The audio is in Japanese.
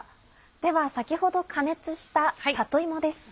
では先ほど加熱した里芋です。